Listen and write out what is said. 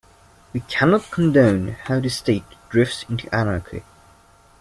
We cannot condone how the state drifts into anarchy.